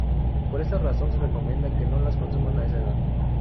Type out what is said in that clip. Por esa razón se recomienda que no las consuman a esa edad.